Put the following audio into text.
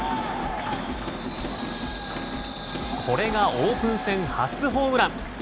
これがオープン戦初ホームラン！